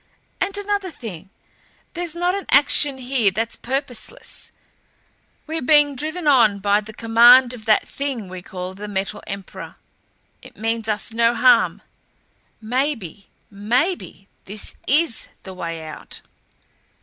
"And another thing. There's not an action here that's purposeless. We're being driven on by the command of that Thing we call the Metal Emperor. It means us no harm. Maybe maybe this IS the way out."